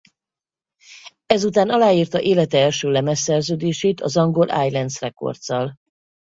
Ezután aláírta élete első lemezszerződését az angol Islands Records-al.